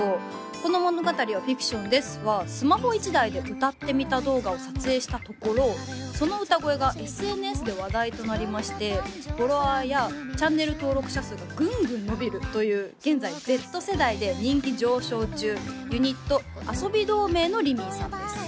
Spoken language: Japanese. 「この物語はフィクションです」はスマホ１台で歌ってみた動画を撮影したところその歌声がＳＮＳで話題となりましてフォロワーやチャンネル登録者数がぐんぐん伸びるという現在Ｚ世代で人気上昇中ユニットＡＳＯＢＩ同盟のりみーさんです